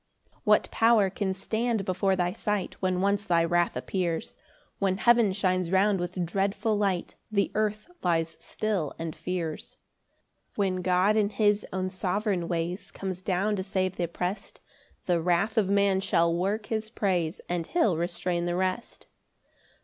7 What power can stand before thy sight When once thy wrath appears? When heaven shines round with dreadful light, The earth lies still and fears. 8 When God in his own sovereign ways Comes down to save th' opprest, The wrath of man shall work his praise, And he'll restrain the rest.